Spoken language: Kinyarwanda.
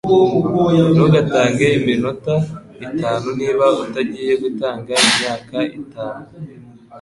Ntugatange iminota itanu niba utagiye gutanga imyaka itanu.”